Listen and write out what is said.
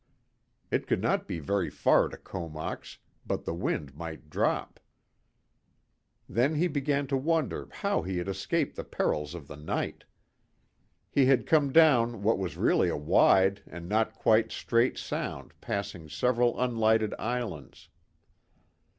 It could not be very far to Comox, but the wind might drop. Then he began to wonder how he had escaped the perils of the night. He had come down what was really a wide and not quite straight sound passing several unlighted islands.